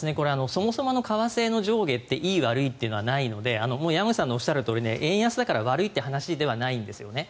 そもそもの為替の上下っていい悪いってのはないので山口さんがおっしゃるとおり円安だから悪いという話ではないんですね。